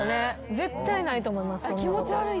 絶対ないと思います。